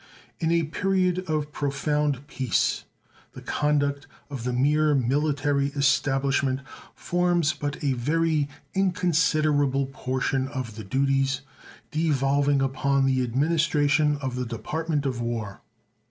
In a period of profound peace the conduct of the mere military establishment forms but a very inconsiderable portion of the duties devolving upon the administration of the Department of War.